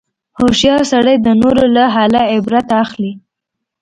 هوښیار سړی د نورو له حاله عبرت اخلي.